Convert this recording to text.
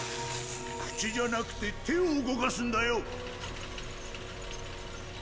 くちじゃなくててをうごかすんだよ。